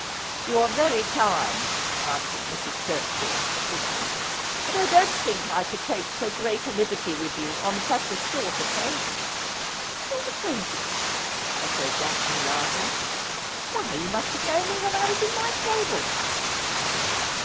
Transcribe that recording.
' You are very kind,' answered Mrs. Turchill, stiffening ;' but I don't think I could take so great a liberty with you on such a short acquaintance.' ' Short acquaintance !' echoed Daphne, laughing. ' Why, you must have known me when I was in my cradle.'